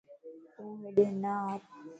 تون ھيڏي نار